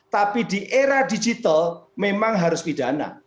tapi di era digital memang harus pidana